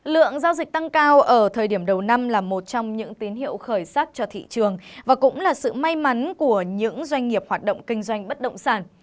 lượng giao dịch tăng cao ở thời điểm đầu năm là một trong những tín hiệu khởi sắc cho thị trường và cũng là sự may mắn của những doanh nghiệp hoạt động kinh doanh bất động sản